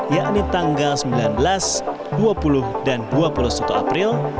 yakni tanggal sembilan belas dua puluh dan dua puluh satu april